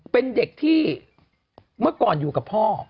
เป็นเด็กที่เมื่อก่อนอยู่กับพ่อ